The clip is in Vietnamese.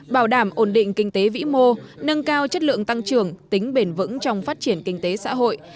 bảo đảm ổn định kinh tế vĩ mô nâng cao chất lượng tăng trưởng tính bền vững trong phát triển kinh tế xã hội